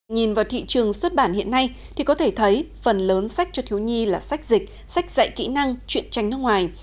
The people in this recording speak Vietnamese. nhìn vào thị trường xuất bản hiện nay thì có thể thấy phần lớn sách cho thiếu nhi là sách dịch sách dạy kỹ năng chuyện tranh nước ngoài